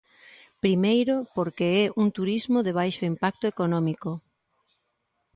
Primeiro, porque é un turismo de baixo impacto económico.